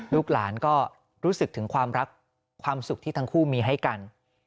ลูกหลานก็รู้สึกถึงความรักความสุขที่ทั้งคู่มีให้กัน